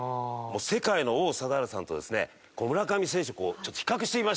世界の王貞治さんとですね村上選手をちょっと比較してみました。